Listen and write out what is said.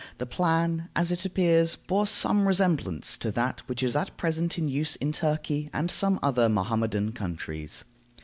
The plan, as it appears, bore some resemblance to that which is at present in use in Turkey and some other Mohammedan countries.